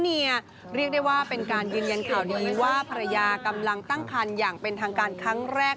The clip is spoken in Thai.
เรียกได้ว่าเป็นการยืนยันข่าวดีว่าภรรยากำลังตั้งคันอย่างเป็นทางการครั้งแรก